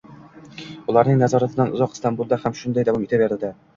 ularning nazoratidan uzoq Istambulda ham shunday davom etardi.